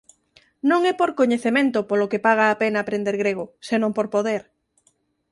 Non é por coñecemento polo que paga a pena aprender grego, senón por poder.